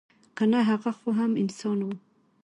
که نه هغه خو هم انسان وه.